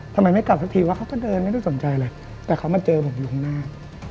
ทำไมไม่กลับสักทีว่าเขาก็เดินไม่ได้สนใจเลยแต่เขามาเจอผมอยู่ข้างหน้า